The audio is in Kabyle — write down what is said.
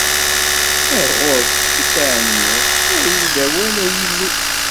Ar ɣur-k i ttɛenniɣ, err-iyi-d awal, a Illu!